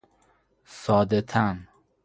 ساده تن